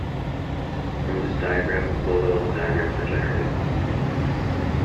From this diagram lower-level diagrams are generated.